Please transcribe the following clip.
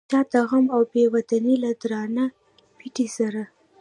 چا د غم او بې وطنۍ له درانه پیټي سره.